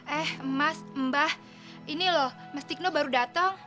eh mas mbak ini loh mas dikno baru datang